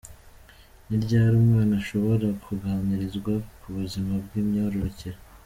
Ni ryari umwana ashobora kuganirizwa ku buzima bw’imyororokere?